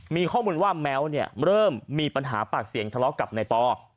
มีข้อมูลว่าแม้วเนี่ยเริ่มมีปัญหาปากเสียงทะเลาะกับนายปอ